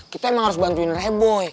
kita emang harus bantuin revo